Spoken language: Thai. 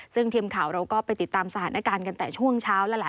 ซึ่งทีมข่าวเราก็ไปติดตามสถานการณ์กันแต่ช่วงเช้าแล้วล่ะ